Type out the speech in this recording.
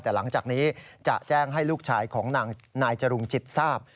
แต่หลังจากนี้จะแจ้งให้ลูกชายของนายจรุงจิตทราบ